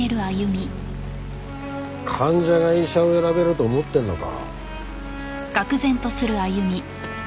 患者が医者を選べると思ってるのか？